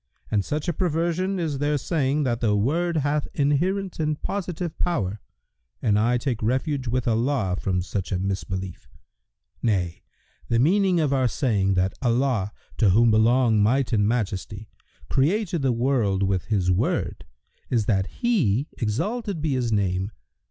And such a perversion is their saying that the Word hath inherent and positive power and I take refuge with Allah from such a mis belief! Nay, the meaning of our saying that Allah (to whom belong Might and Majesty!) created the world with His Word is that He (exalted be His name!)